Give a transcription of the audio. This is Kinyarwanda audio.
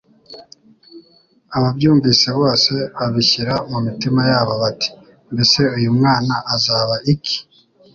Ababyumvise bose babishyira mu mitima yabo bati 'Mbese uyu mwana azaba iki !